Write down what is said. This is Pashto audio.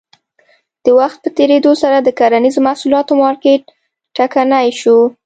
د وخت په تېرېدو سره د کرنیزو محصولاتو مارکېټ ټکنی شو.